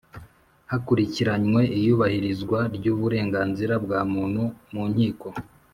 Hakurikiranywe iyubahirizwa ry uburenganzira bwa muntu mu Nkiko